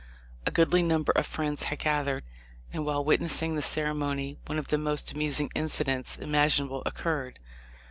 A goodly number of friends had gathered, and while witnessing the ceremony one of the most amusing incidents imaginable oc curred.